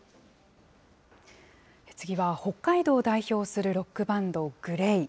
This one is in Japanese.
次は北海道を代表するロックバンド、ＧＬＡＹ。